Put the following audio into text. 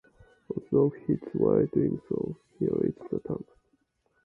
Although hit while doing so, he reached the tank.